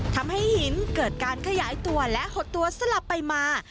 ทำให้หินเกิดการขยายตัวและหดตัวสลับไปมา